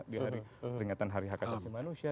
di hari peringatan hari hak asasi manusia